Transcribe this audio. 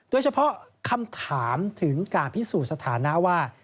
โดยเฉพาะคำถามถึงการพิสูจน์สถานะว่า